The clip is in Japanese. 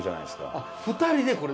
あっ２人でこれ。